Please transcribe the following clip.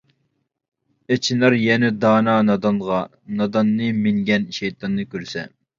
ئېچىنار يەنە دانا نادانغا، ناداننى مىنگەن شەيتاننى كۆرسە!